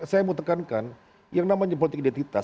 saya mau tekankan yang namanya politik identitas